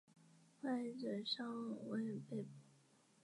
破坏者尚未被捕。